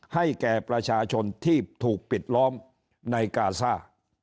ให้แก่ประชาชนที่ถูกปิดล้อมในกาซ่า